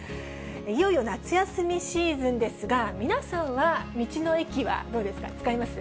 いよいよ夏休みシーズンですが、皆さんは道の駅はどうですか、使います？